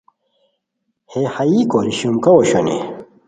ہے ہائیی کوری شومکھاؤ اوشونی